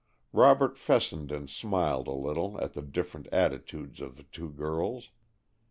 Robert Fessenden smiled a little at the different attitudes of the two girls.